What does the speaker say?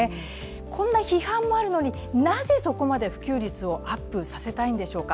こんな批判もあるのに、なぜ、そこまで普及率をアップさせたいんでしょうか。